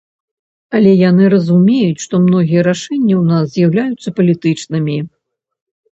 Але яны разумеюць, што многія рашэнні ў нас з'яўляюцца палітычнымі.